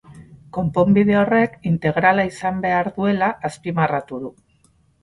Konponbide horrek integrala izan behar duela azpimarratu du.